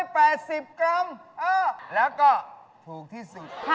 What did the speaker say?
พี่จิตคะ